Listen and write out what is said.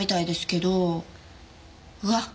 うわっ！